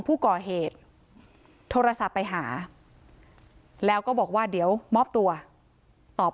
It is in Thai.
ผู้ก่อเหตุโทรศัพท์ไปหาแล้วก็บอกว่าเดี๋ยวมอบตัวตอบ